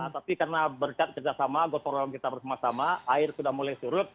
tapi karena berkat kerjasama gotong royong kita bersama sama air sudah mulai surut